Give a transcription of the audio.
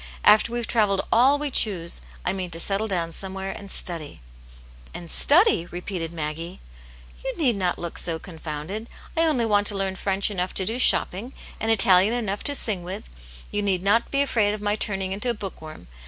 After we've travelled all we choose, I mean to settle down somewhere and study ! "And study r repeated Maggie. You need not look so confounded. I only want to learn French enough to do shopping, and Italian enough to sing with ; you need not be afraid of my turning into a book worm.